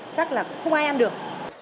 chắc là không ai ăn được